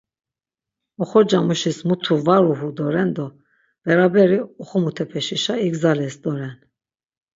Oxorcamuşis mutu var uhu doren do beraberi oxo mutepeşişa igzales doren.